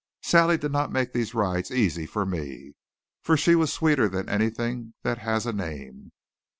Sally did not make these rides easy for me, for she was sweeter than anything that has a name.